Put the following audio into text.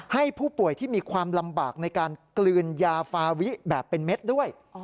ให้ผู้ป่วยที่มีความลำบากในการกลืนยาฟาวิแบบเป็นเม็ดด้วย